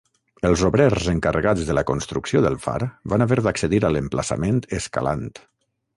Els obrers encarregats de la construcció del far van haver d'accedir a l'emplaçament escalant.